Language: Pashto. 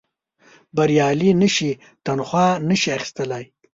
بریالي نه شي تنخوا نه شي اخیستلای.